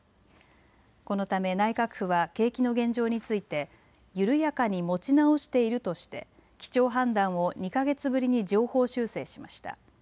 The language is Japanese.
このため内閣府は景気の現状について緩やかに持ち直しているとして基調判断を２か月ぶりに上方修正しました。